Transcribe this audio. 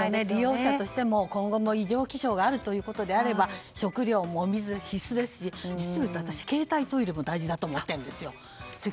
利用者としても今後も異常気象があるということであれば食料やお水は必須ですし、私は携帯トイレも大事だと思ってるんですよ。